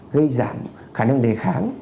gây giảm khả năng đề kháng